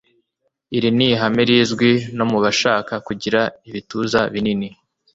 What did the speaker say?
Iri ni ihame rizwi no mu bashaka kugira ibituza binini,